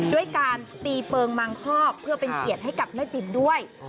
ด้วยการตีเปิงมังคอกเพื่อเป็นเกียรติให้กับแม่จิ๋มด้วย